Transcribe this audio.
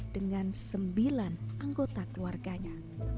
dengan sembilan anggota keluarganya